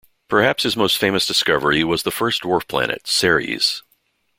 Perhaps his most famous discovery was the first dwarf planet, Ceres.